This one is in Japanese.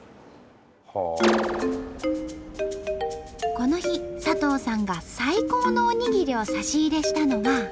この日佐藤さんが最高のおにぎりを差し入れしたのが。